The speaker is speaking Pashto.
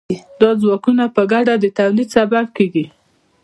دا ځواکونه په ګډه د تولید سبب کیږي.